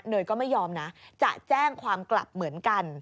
ก็ไม่ยอมนะจะแจ้งความกลับเหมือนกัน